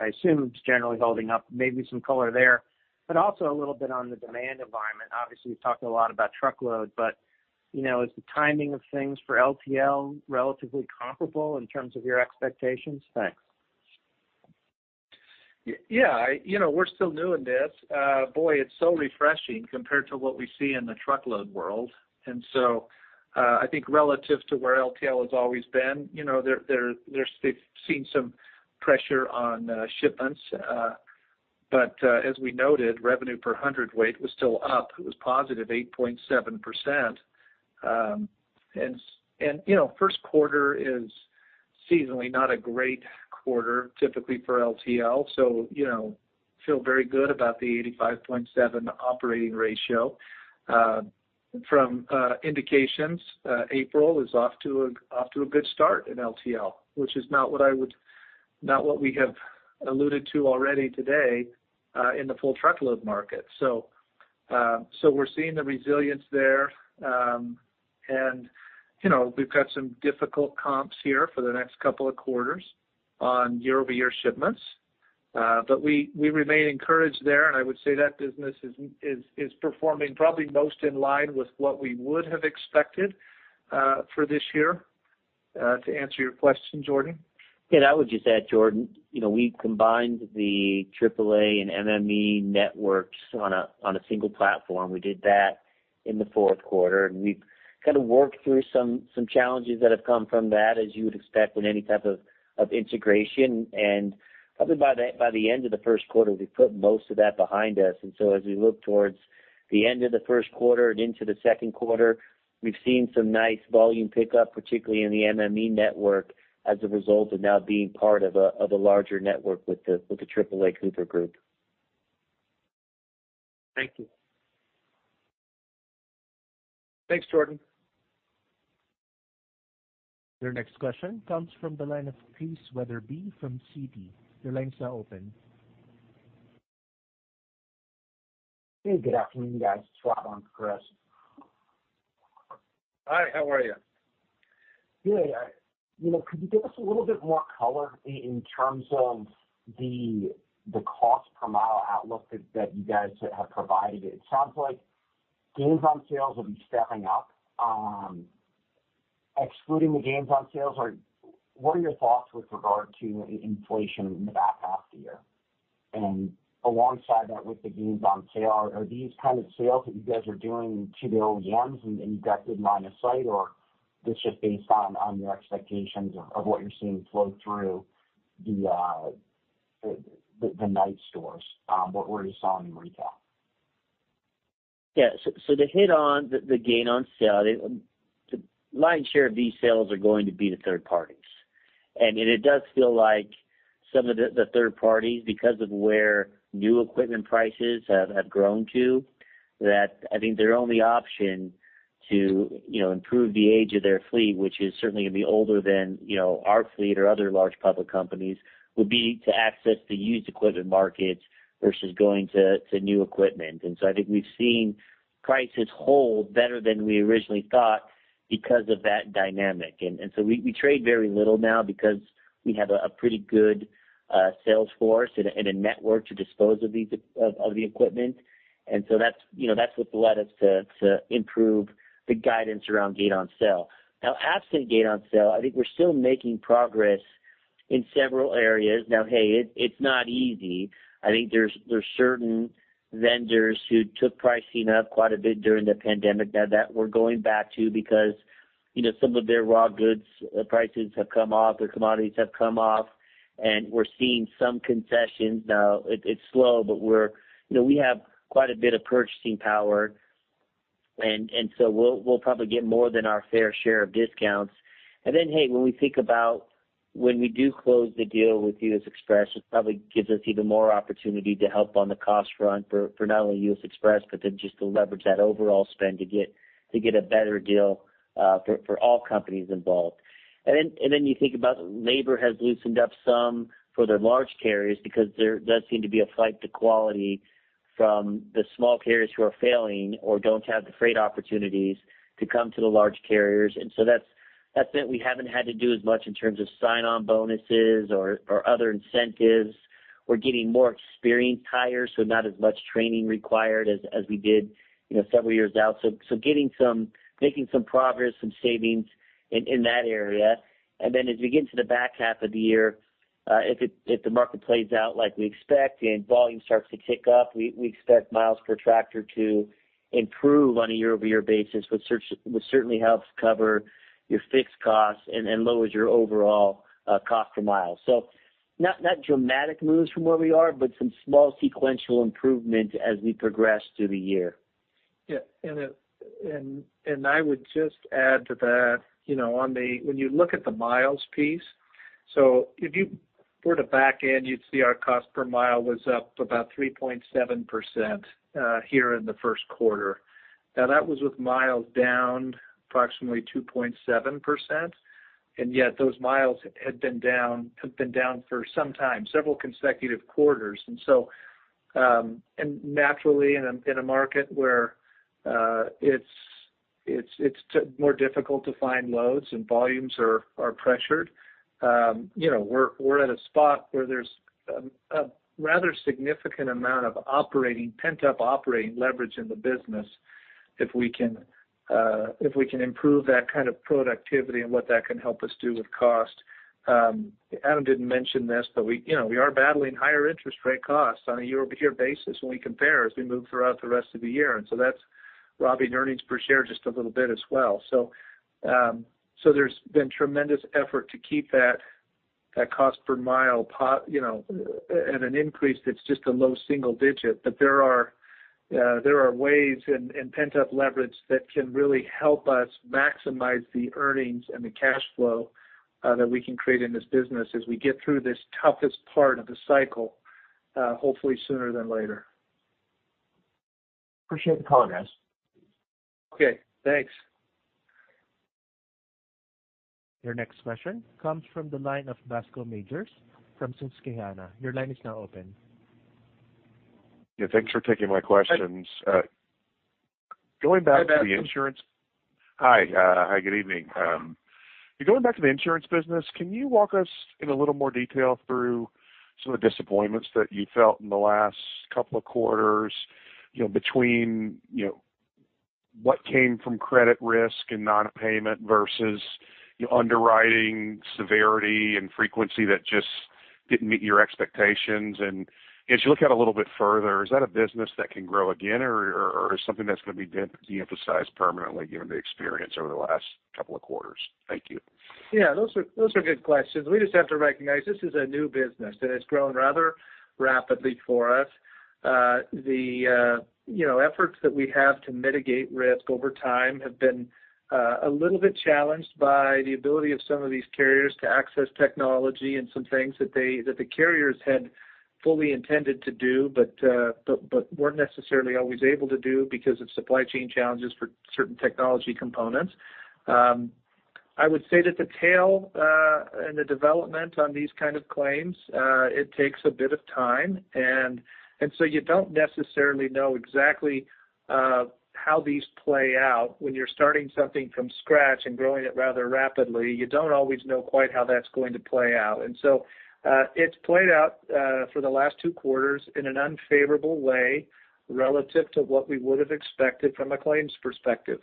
I assume, is generally holding up, maybe some color there, but also a little bit on the demand environment. Obviously, you've talked a lot about truckload, but, you know, is the timing of things for LTL relatively comparable in terms of your expectations? Thanks. Yeah. You know, we're still new in this. boy, it's so refreshing compared to what we see in the truckload world. I think relative to where LTL has always been, you know, they've seen some pressure on shipments. but as we noted, revenue per hundredweight was still up. It was positive 8.7%. and, you know, first quarter is seasonally not a great quarter typically for LTL, so, you know, feel very good about the 85.7% operating ratio. from indications, April is off to a good start in LTL, which is not what we have alluded to already today in the full truckload market. we're seeing the resilience there. You know, we've got some difficult comps here for the next couple of quarters on year-over-year shipments. We remain encouraged there, and I would say that business is performing probably most in line with what we would have expected, for this year, to answer your question, Jordan. Yeah, I would just add, Jordan, you know, we combined the AAA and MME networks on a single platform. We did that in the fourth quarter, and we've kind of worked through some challenges that have come from that, as you would expect with any type of integration. Probably by the end of the first quarter, we've put most of that behind us. As we look towards the end of the first quarter and into the second quarter, we've seen some nice volume pickup, particularly in the MME network, as a result of now being part of a larger network with the AAA Cooper Group. Thank you. Thanks, Jordan. Your next question comes from the line of Chris Wetherbee from Citigroup. Your line is now open. Hey, good afternoon, guys. It's Rob on for Chris. Hi, how are you? Good. You know, could you give us a little bit more color in terms of the cost per mile outlook that you guys have provided? It sounds like gains on sales will be stepping up. Excluding the gains on sales, what are your thoughts with regard to inflation in the back half of the year? Alongside that, with the gains on sale, are these kind of sales that you guys are doing to the OEMs and you've got good line of sight, or this just based on your expectations of what you're seeing flow through the Knight stores, what we're seeing in retail? To hit on the gain on sale, the lion's share of these sales are going to be the third parties. And it does feel like some of the third parties, because of where new equipment prices have grown to, that I think their only option to, you know, improve the age of their fleet, which is certainly going to be older than, you know, our fleet or other large public companies, would be to access the used equipment markets versus going to new equipment. And so I think we've seen prices hold better than we originally thought because of that dynamic. And so we trade very little now because we have a pretty good sales force and a network to dispose of these of the equipment. That's, you know, that's what's allowed us to improve the guidance around gain on sale. Now, absent gain on sale, I think we're still making progress in several areas. Now, hey, it's not easy. I think there's certain vendors who took pricing up quite a bit during the pandemic now that we're going back to because, you know, some of their raw goods prices have come off, their commodities have come off, and we're seeing some concessions now. It's slow, but we're, you know, we have quite a bit of purchasing power, and so we'll probably get more than our fair share of discounts. Then, hey, when we think about when we do close the deal with U.S. Xpress, it probably gives us even more opportunity to help on the cost front for not only U.S. Xpress, just to leverage that overall spend to get a better deal for all companies involved. You think about labor has loosened up some for the large carriers because there does seem to be a flight to quality from the small carriers who are failing or don't have the freight opportunities to come to the large carriers. That's it. We haven't had to do as much in terms of sign-on bonuses or other incentives. We're getting more experienced hires, so not as much training required as we did, you know, several years out. Making some progress, some savings in that area. As we get into the back half of the year, if the market plays out like we expect and volume starts to tick up, we expect miles per tractor to improve on a year-over-year basis, which certainly helps cover your fixed costs and lowers your overall cost per mile. Not dramatic moves from where we are, but some small sequential improvement as we progress through the year. Yeah. I would just add to that, you know, on the When you look at the miles piece, If you were to back in, you'd see our cost per mile was up about 3.7% here in the first quarter. That was with miles down approximately 2.7%. Yet those miles had been down, have been down for some time, several consecutive quarters. So, naturally in a market where it's more difficult to find loads and volumes are pressured, you know, we're at a spot where there's a rather significant amount of operating, pent-up operating leverage in the business if we can improve that kind of productivity and what that can help us do with cost. Adam didn't mention this, but we, you know, we are battling higher interest rate costs on a year-over-year basis when we compare as we move throughout the rest of the year. That's robbing earnings per share just a little bit as well. There's been tremendous effort to keep that cost per mile at an increase that's just a low single digit. There are ways and pent-up leverage that can really help us maximize the earnings and the cash flow that we can create in this business as we get through this toughest part of the cycle hopefully sooner than later. Appreciate the call, guys. Okay, thanks. Your next question comes from the line of Bascome Majors from Susquehanna. Your line is now open. Yeah, thanks for taking my questions. Going back to the insurance. Hi, Bascome. Hi. Hi, good evening. Going back to the insurance business, can you walk us in a little more detail through some of the disappointments that you felt in the last couple of quarters, you know, between, you know, what came from credit risk and non-payment versus underwriting severity and frequency that just didn't meet your expectations? As you look out a little bit further, is that a business that can grow again or is something that's going to be deemphasized permanently given the experience over the last couple of quarters? Thank you. Yeah, those are good questions. We just have to recognize this is a new business, and it's grown rather rapidly for us. The, you know, efforts that we have to mitigate risk over time have been a little bit challenged by the ability of some of these carriers to access technology and some things that the carriers had fully intended to do, but weren't necessarily always able to do because of supply chain challenges for certain technology components. I would say that the tail and the development on these kind of claims, it takes a bit of time. You don't necessarily know exactly how these play out. When you're starting something from scratch and growing it rather rapidly, you don't always know quite how that's going to play out. It's played out for the last two quarters in an unfavorable way relative to what we would have expected from a claims perspective.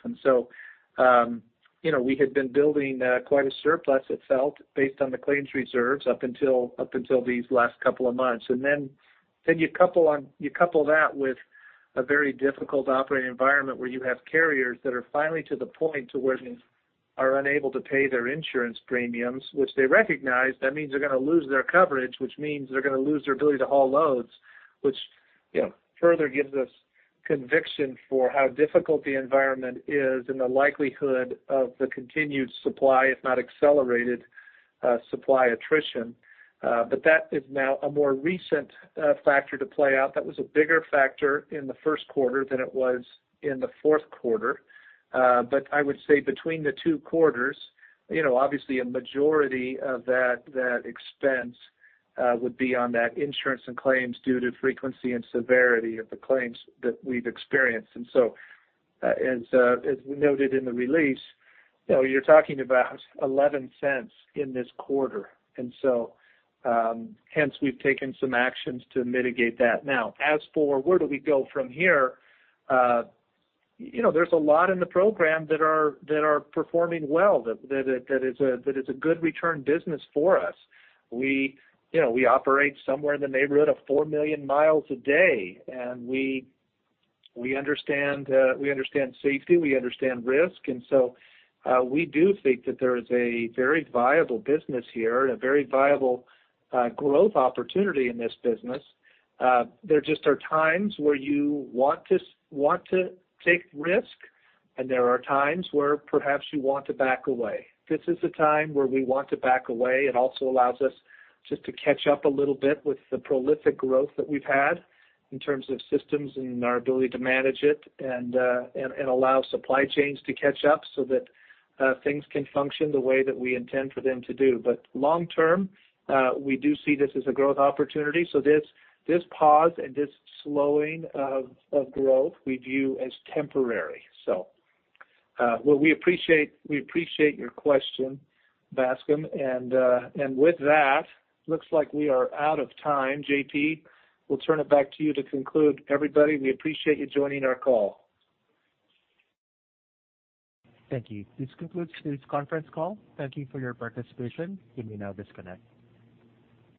You know, we had been building quite a surplus it felt based on the claims reserves up until these last couple of months. You couple that with a very difficult operating environment where you have carriers that are finally to the point to where they are unable to pay their insurance premiums, which they recognize that means they're going to lose their coverage, which means they're going to lose their ability to haul loads, which, you know, further gives us conviction for how difficult the environment is and the likelihood of the continued supply, if not accelerated, supply attrition. That is now a more recent factor to play out. That was a bigger factor in the first quarter than it was in the fourth quarter. I would say between the two quarters, you know, obviously a majority of that expense would be on that insurance and claims due to frequency and severity of the claims that we've experienced. As we noted in the release, you know, you're talking about $0.11 in this quarter, hence we've taken some actions to mitigate that. As for where do we go from here, you know, there's a lot in the program that are performing well, that is a good return business for us. We, you know, we operate somewhere in the neighborhood of four million miles a day, and we understand safety, we understand risk, and so, we do think that there is a very viable business here and a very viable growth opportunity in this business. There just are times where you want to take risk, and there are times where perhaps you want to back away. This is a time where we want to back away. It also allows us just to catch up a little bit with the prolific growth that we've had in terms of systems and our ability to manage it and allow supply chains to catch up so that things can function the way that we intend for them to do. Long term, we do see this as a growth opportunity. This pause and this slowing of growth we view as temporary. Well, we appreciate your question, Bascome. With that, looks like we are out of time. J.P., we'll turn it back to you to conclude. Everybody, we appreciate you joining our call. Thank you. This concludes today's conference call. Thank you for your participation. You may now disconnect.